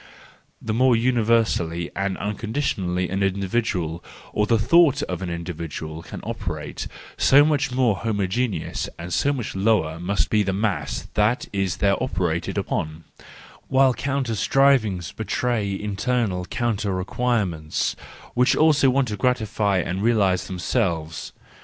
The more universally and unconditionally an individual, or the thought of an individual, can operate, so much more homogeneous and so much lower must be the mass that is there operated upon; while counter strivings betray internal counter require¬ ments, which also want to gratify and realise them¬ selves.